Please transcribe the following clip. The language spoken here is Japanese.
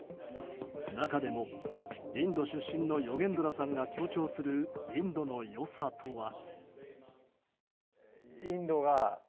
中でもインド出身のヨゲンドラさんが強調するインドの良さとは。